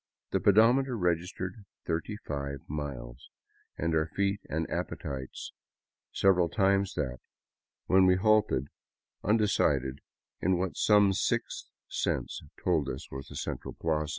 The pedometer registered 35 miles, and our feet and appetites several times that, when we halted undecided in what some sixth sense told us was the central plaza.